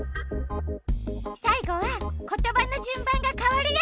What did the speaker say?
さいごはことばのじゅんばんがかわるよ。